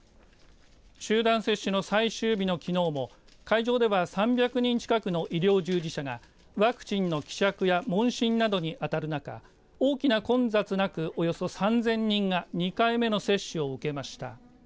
集団接種の最終日のきのうも会場では３００人近くの医療従事者がワクチンの希釈や問診などにあたる中大きな混雑なくおよそ３０００人が２回目の接種を終えました。